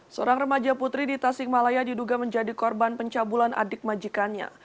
seorang remaja putri di tasikmalaya diduga menjadi korban pencabulan adik majikannya